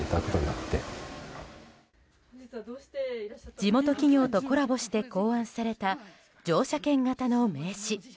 地元企業とコラボして考案された乗車券型の名刺。